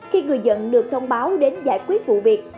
khi người dân được thông báo đến giải quyết vụ việc